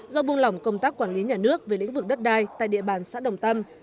do buông lỏng công tác quản lý nhà nước về lĩnh vực đất đai tại địa bàn xã đồng tâm